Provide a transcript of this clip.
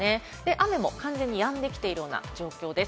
雨も完全にやんできているような状態です。